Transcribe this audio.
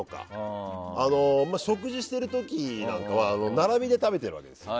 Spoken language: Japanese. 食事してる時なんかは並びで食べてるわけですよ。